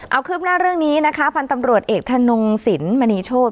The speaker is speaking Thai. เอาคืบหน้าเรื่องนี้นะคะพันธ์ตำรวจเอกธนงสินมณีโชธ